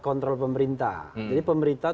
kontrol pemerintah jadi pemerintah